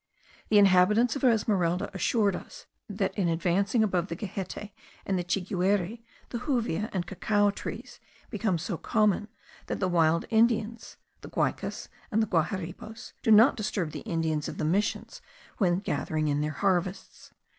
The inhabitants of Esmeralda assured us, that in advancing above the Gehette and the Chiguire, the juvia and cacao trees become so common that the wild Indians (the Guaicas and Guaharibos) do not disturb the Indians of the missions when gathering in their harvests.